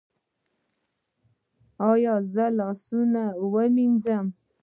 ایا زه لاسونه ووینځم؟